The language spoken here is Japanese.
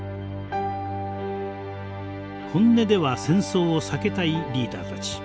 本音では戦争を避けたいリーダーたち。